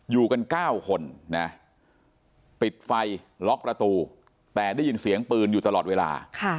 อยู่กัน๙คนนะปิดไฟล็อกประตูแต่ได้ยินเสียงปืนอยู่ตลอดเวลา